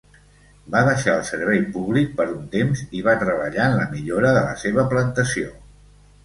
Va deixar el servei públic per un temps i va treballar en la millora de la seva plantació.